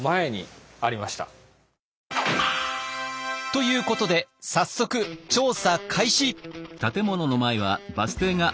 ということで早速調査開始！